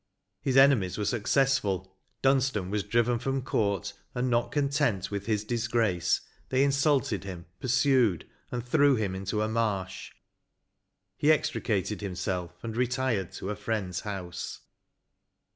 His enemies were successful — Dunstan was driven from court, and, not content with his disgrace, they insulted him, pursued, and threw him into a marsh ; he extricated himself, and retired to a friends house."